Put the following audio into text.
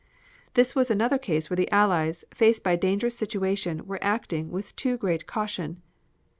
This was another case where the Allies, faced by a dangerous situation, were acting with too great caution.